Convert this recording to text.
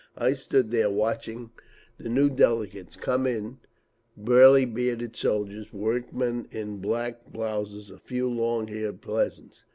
I stood there watching the new delegates come in—burly, bearded soldiers, workmen in black blouses, a few long haired peasants.